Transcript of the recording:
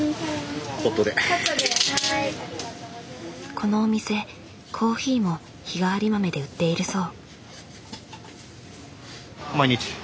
このお店コーヒーも日替わり豆で売っているそう。